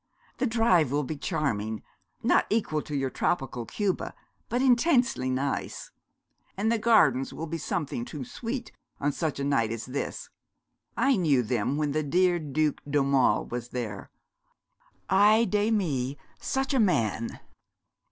'The drive will be charming not equal to your tropical Cuba but intensely nice. And the gardens will be something too sweet on such a night as this. I knew them when the dear Duc d'Aumale was there. Ay de mi, such a man!'